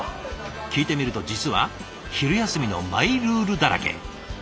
聞いてみると実は昼休みのマイルールだらけ。